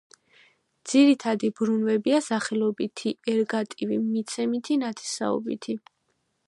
ძირითადი ბრუნვებია: სახელობითი, ერგატივი, მიცემითი, ნათესაობითი.